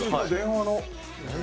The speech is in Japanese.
電話の。